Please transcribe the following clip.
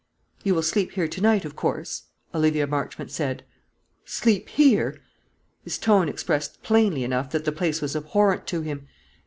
"You will sleep here to night, of course?" Olivia Marchmont said. "Sleep here!" His tone expressed plainly enough that the place was abhorrent to him.